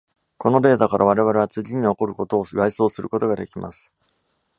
このデータから、我々は次に起こることを外挿することができます。